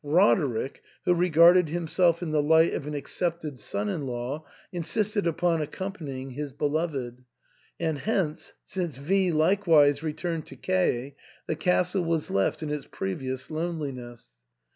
Roderick, who regarded himself in the light of an accepted son in law, insisted upon accompanying his beloved ; and hence, since V likewise returned to K y the castle was left in its previous loneliness.